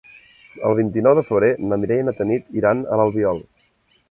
El vint-i-nou de febrer na Mireia i na Tanit iran a l'Albiol.